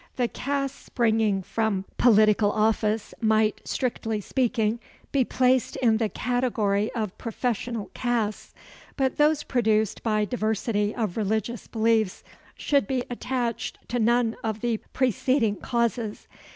The castes springing from political office might, strictly speaking, be placed in the category of professional castes, but those produced by diversity of religious beliefs should be attached to none of the preceding causes.